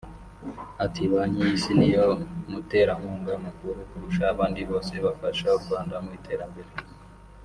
Ati “Banki y’Isi niyo muterankunga mukuru kurusha abandi bose bafasha u Rwanda mu iterambere